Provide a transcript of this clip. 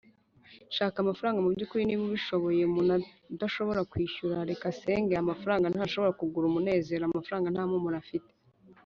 shaka amafaranga mubyukuri niba ubishoboye. umuntu udashobora kwishyura, reka asenge. amafaranga ntashobora kugura umunezero. amafaranga nta mpumuro afite.